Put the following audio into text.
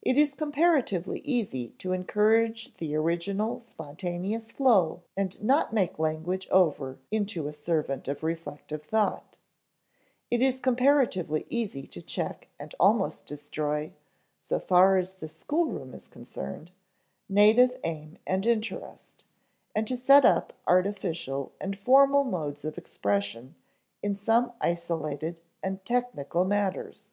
It is comparatively easy to encourage the original spontaneous flow and not make language over into a servant of reflective thought; it is comparatively easy to check and almost destroy (so far as the schoolroom is concerned) native aim and interest, and to set up artificial and formal modes of expression in some isolated and technical matters.